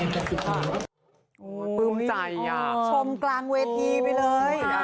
ชมกลางเวทีไปเลย